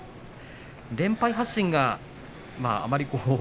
連敗発進があまり。